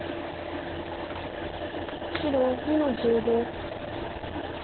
白２の十五。